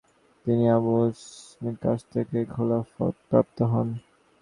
তিনি Abu Ishaq শামীর কাছ থেকে খেলাফতপ্রাপ্ত হন।